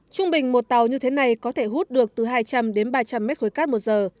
trung bình một tàu như thế này có thể hút được từ hai trăm linh đến ba trăm linh mét khối cát một giờ